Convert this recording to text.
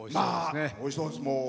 おいしそうです。